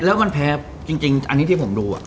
แล้วมันแพ้จริงอันนี้ที่ผมดู